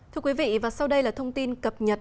thưa quý vị và sau đây là thông tin cập nhật